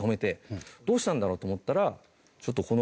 どうしたんだろう？と思ったら。